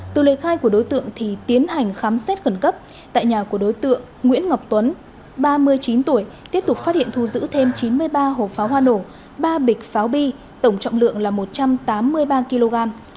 từ lời khai của đối tượng thì tiến hành khám xét khẩn cấp tại nhà của đối tượng nguyễn ngọc tuấn ba mươi chín tuổi tiếp tục phát hiện thu giữ thêm chín mươi ba hộp pháo hoa nổ ba bịch pháo bi tổng trọng lượng là một trăm tám mươi ba kg